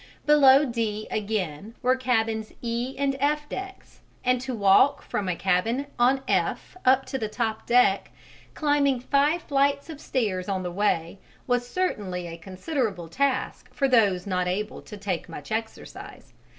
Below D again were cabins on E and F decks, and to walk from a cabin on F up to the top deck, climbing five flights of stairs on the way, was certainly a considerable task for those not able to take much exercise.